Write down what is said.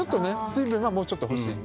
水分はもうちょっと欲しい。